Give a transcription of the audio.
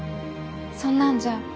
そんなんじゃ